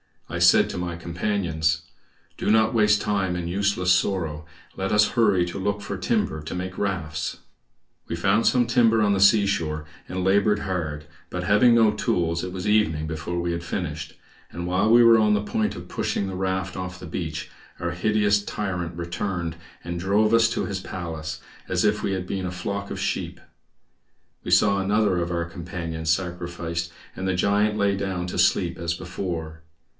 I said to my companions: "Do not waste time in useless sorrow; let us hurry to look for timber to make rafts." We found some timber on the seashore, and labored hard; but having no tools, it was evening before we had finished; and while we were on the point of pushing the raft off the beach, our hideous tyrant returned and drove us to his palace, as if we had been a flock of sheep. We saw another of our companions sacrificed, and the giant lay down to sleep as before.